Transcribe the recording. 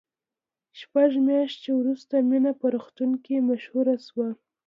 شپږ میاشتې وروسته مینه په روغتون کې مشهوره شوه